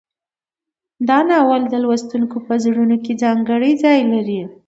دا ناول د لوستونکو په زړونو کې ځانګړی ځای لري.